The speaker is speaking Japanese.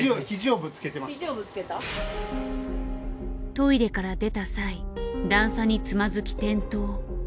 トイレから出た際段差につまずき転倒。